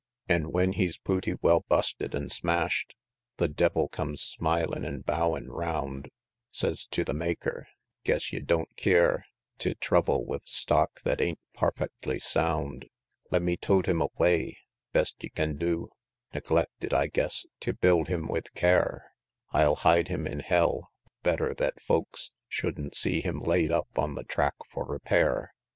XVI. An' when he's pooty well busted an' smash'd, The devil comes smilin' an' bowin' round, Says tew the Maker, "Guess ye don't keer Tew trouble with stock thet ain't parfactly sound; Lemme tote him away best ye can do Neglected, I guess, tew build him with care; I'll hide him in hell better thet folks Shouldn't see him laid up on the track for repair!"